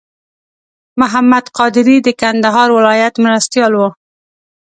محمد قادري د کندهار ولایت مرستیال و.